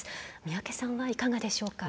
宮家さんは、いかがでしょうか。